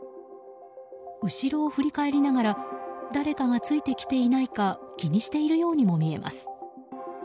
後ろを振り返りながら誰かがついてきていないか気にしているようにも見えます。